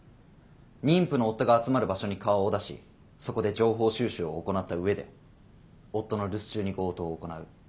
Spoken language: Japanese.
妊婦の夫が集まる場所に顔を出しそこで情報収集を行った上で夫の留守中に強盗を行う。